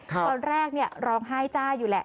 ตอนแรกร้องไห้จ้าอยู่แหละ